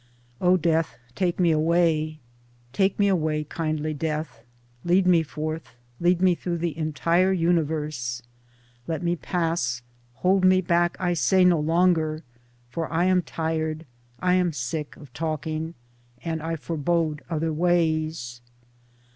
O Death, take me away. Take me away, kindly Death ; lead me forth, lead me through the entire universe. Let me pass ; hold me back, I say, no longer ; for I am tired, I am sick, of talking — and I forebode other ways.